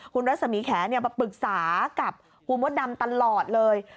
คุณรัศมีแขมาปรึกษากับคุณมดดำตลอดเลย